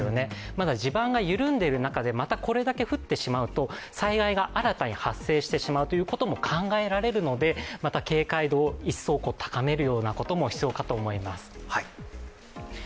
まだ地盤が緩んでる中で、またこれだけ降ってしまうと災害が新たに発生してしまうということも考えられるのでまた警戒度を一層高めることも必要かと思います。